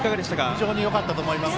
非常によかったと思います。